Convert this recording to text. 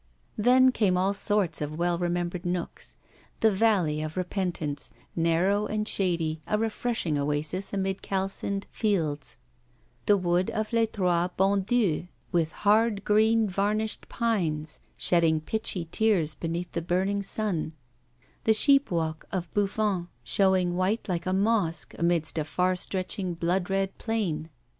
Then came all sorts of well remembered nooks: the valley of Repentance, narrow and shady, a refreshing oasis amid calcined fields; the wood of Les Trois Bons Dieux, with hard, green, varnished pines shedding pitchy tears beneath the burning sun; the sheep walk of Bouffan, showing white, like a mosque, amidst a far stretching blood red plain.